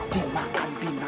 dimakan binatang buas